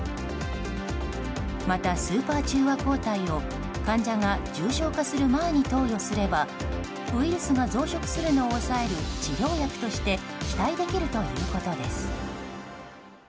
またスーパー中和抗体を患者が重症化する前に投与すればウイルスが増殖するのを抑える治療薬として期待できるということです。